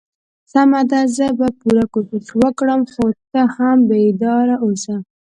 سمه ده زه به پوره کوشش وکړم خو ته هم بیدار اوسه.